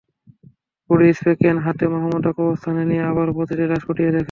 Body spray can হাতে মাহমুদা কবরস্থানে গিয়ে আবারও প্রতিটি লাশ খুঁটিয়ে দেখেন।